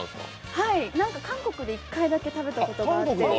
はい、韓国で１回だけ食べたことがあって。